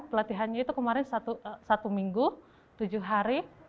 pelatihannya itu kemarin satu minggu tujuh hari